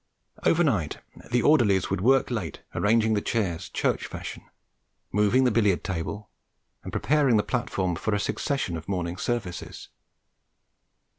Overnight the orderlies would work late arranging the chairs church fashion, moving the billiard table, and preparing the platform for a succession of morning services.